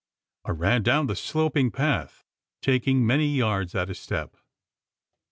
I ran down the sloping path taking many yards at a step.